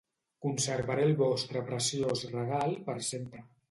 Conservaré el vostre preciós regal per sempre.